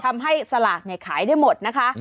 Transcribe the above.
ทำให้สลากเนี่ยขายได้หมดนะคะ